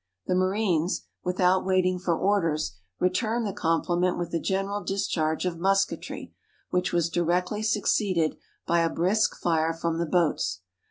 The marines, without waiting for orders, returned the compHment with a general discharge of musketry, which was directly suc ceeded by a brisk fire from the boats.